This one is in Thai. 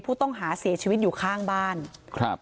ผู้ต้องหาเสียชีวิตอยู่ข้างบ้านครับ